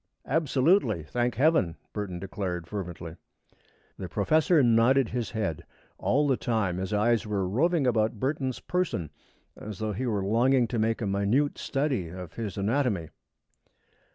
"Absolutely, thank Heaven!" Burton declared, fervently. The professor nodded his head. All the time his eyes were roving about Burton's person, as though he were longing to make a minute study of his anatomy.